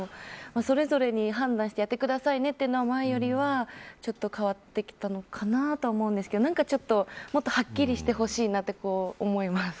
それぞれに判断してやってくださいねというのは前よりは、ちょっと変わってきたのかなと思うんですけどなんかもっとはっきりしてほしいなと思います。